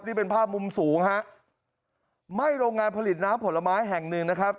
นี่เป็นภาพมุมสูงฮะไหม้โรงงานผลิตน้ำผลไม้แห่งหนึ่งนะครับ